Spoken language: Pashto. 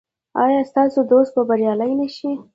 ایا ستاسو دوست به بریالی نه شي؟